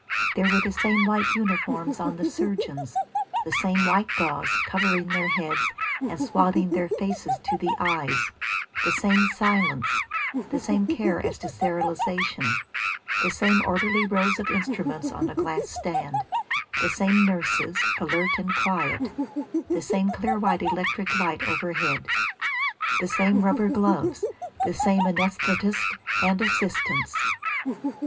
There were the same white uniforms on the surgeons; the same white gauze covering their heads and swathing their faces to the eyes; the same silence, the same care as to sterilisation; the same orderly rows of instruments on a glass stand; the same nurses, alert and quiet; the same clear white electric light overhead; the same rubber gloves, the same anæsthetists and assistants.